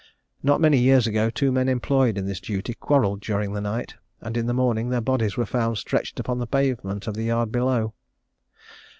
Not many years ago, two men employed in this duty quarrelled during the night, and in the morning their bodies were found stretched upon the pavement of the yard below.